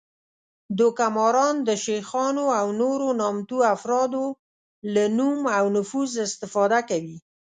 دوکه ماران د شیخانو او نورو نامتو افرادو له نوم او نفوذ استفاده کوي